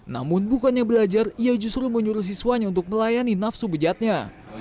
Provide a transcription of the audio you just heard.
namun bukannya belajar ia justru menyuruh siswanya untuk melayani nafsu bejatnya